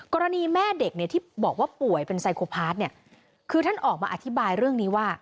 แม่เด็กเนี่ยที่บอกว่าป่วยเป็นไซโครพาร์ทเนี่ยคือท่านออกมาอธิบายเรื่องนี้ว่า